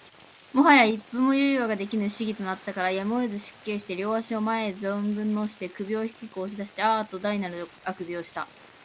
最早一分も猶予が出来ぬ仕儀となったから、やむをえず失敬して両足を前へ存分のして、首を低く押し出してあーあと大なる欠伸をした